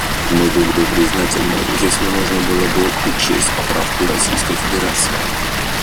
Мы были бы признательны, если бы можно было бы учесть поправку Российской Федерации.